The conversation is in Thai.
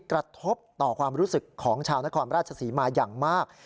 กระทบต่อความรู้สึกของชาวนครราชศรีมาอย่างมาก